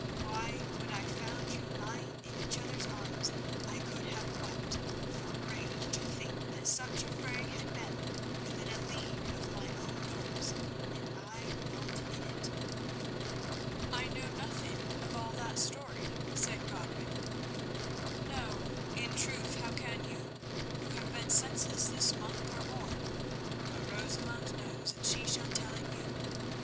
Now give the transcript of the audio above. Why, when I found you lying in each other's arms I could have wept for rage to think that such a fray had been within a league of my own doors and I not in it." "I know nothing of all that story," said Godwin. "No, in truth, how can you, who have been senseless this month or more? But Rosamund knows, and she shall tell it you.